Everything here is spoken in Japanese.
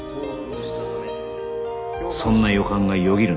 そんな予感がよぎる